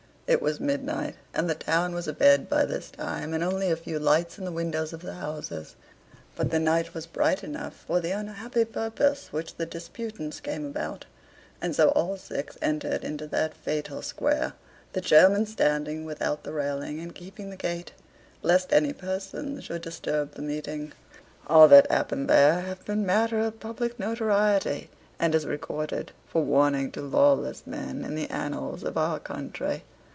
It was midnight, and the town was abed by this time, and only a few lights in the windows of the houses; but the night was bright enough for the unhappy purpose which the disputants came about; and so all six entered into that fatal square, the chairmen standing without the railing and keeping the gate, lest any persons should disturb the meeting. All that happened there hath been matter of public notoriety, and is recorded, for warning to lawless men, in the annals of our country.